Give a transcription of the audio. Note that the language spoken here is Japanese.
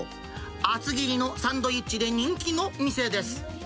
厚切りのサンドイッチで人気の店です。